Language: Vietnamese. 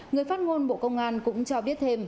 người phát ngôn bộ công an cũng cho biết thêm